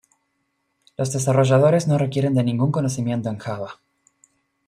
Los desarrolladores no requieren de ningún conocimiento en Java.